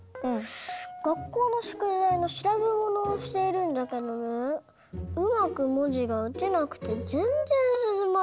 がっこうのしゅくだいのしらべものをしているんだけどねうまくもじがうてなくてぜんぜんすすまないんだよ。